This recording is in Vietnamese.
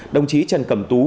đồng chí trần cẩm tú